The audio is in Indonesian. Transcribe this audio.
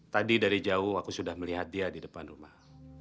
tadi dari jauh aku sudah melihat dia di depan rumah